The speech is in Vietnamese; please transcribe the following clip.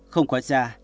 không quá xa